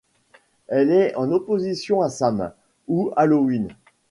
Elle est en opposition à Samain, ou Halloween.